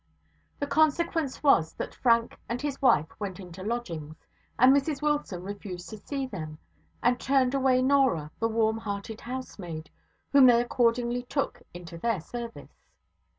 The consequence was that Frank and his wife went into lodgings, and Mrs Wilson refused to see them, and turned away Norah, the warm hearted housemaid, whom they accordingly took into their service.